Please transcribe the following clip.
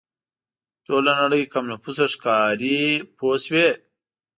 ټوله نړۍ کم نفوسه ښکاري پوه شوې!.